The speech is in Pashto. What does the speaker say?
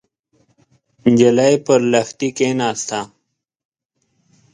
نجلۍ پر لښتي کېناسته.